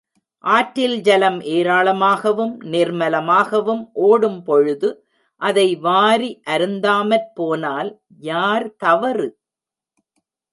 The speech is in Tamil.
ஆற்றில் ஜலம் ஏராளமாகவும் நிர்மலமாகவும் ஓடும்பொழுது அதை வாரி அருந்தாமற் போனால் யார் தவறு?